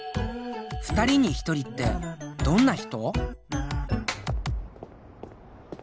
２人に１人ってどんな人？